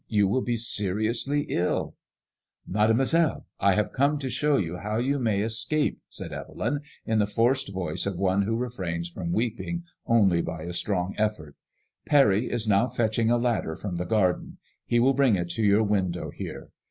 You will be seriously ill/' Mademoiselle, I have come to show you how you may es cape,*' said Evelyn, in the forced voice of one who refrains from weeping only by a strong effort. Parry is now fetching a ladder from the garden. He will bring it to your window here.